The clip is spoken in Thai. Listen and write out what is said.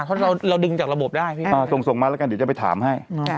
เพราะเราดึงจากระบบได้พี่ส่งมาแล้วกันเดี๋ยวจะไปถามให้